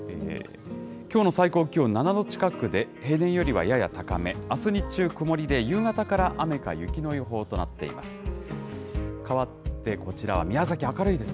きょうの最高気温７度近くで、平年よりはやや高め、あす日中曇りで、夕方から雨か雪と予報となっています。